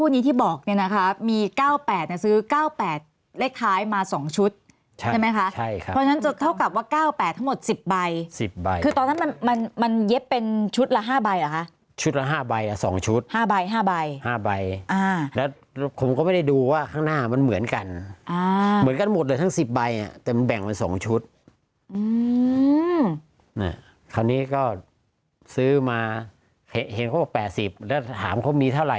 วันนี้ที่บอกเนี่ยนะคะมี๙๘ซื้อ๙๘เลขท้ายมา๒ชุดใช่ไหมคะใช่ครับเพราะฉะนั้นจะเท่ากับว่า๙๘ทั้งหมด๑๐ใบ๑๐ใบคือตอนนั้นมันมันเย็บเป็นชุดละ๕ใบเหรอคะชุดละ๕ใบอ่ะ๒ชุด๕ใบ๕ใบ๕ใบอ่าแล้วผมก็ไม่ได้ดูว่าข้างหน้ามันเหมือนกันเหมือนกันหมดเลยทั้ง๑๐ใบอ่ะแต่มันแบ่งเป็น๒ชุดคราวนี้ก็ซื้อมาเห็นเขาบอก๘๐แล้วถามเขามีเท่าไห